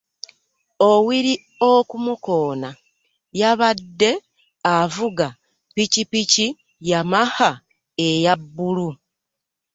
Owili okumukoona yabadde avuga ppikipiki Yamaha eya bbulu.